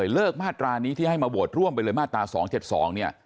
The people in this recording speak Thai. เลิกมาตรานี้ที่ให้มาโวดร่วมมาตรา๒๗๒